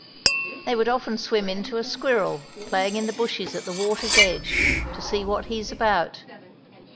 They would often swim in to a squirrel, playing in the bushes at the water's edge, to see what he's about.